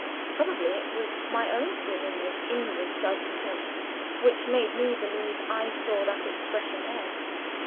Probably it was my own feeling of inward self contempt which made me believe I saw that expression there.